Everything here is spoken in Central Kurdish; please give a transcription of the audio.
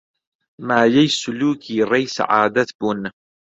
مایەی سولووکی ڕێی سەعادەت بوون